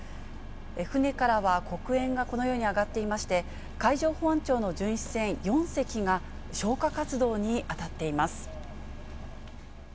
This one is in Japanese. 船からは黒煙がこのように上がっていまして、海上保安庁の巡視船４隻が消火活動に当たっています。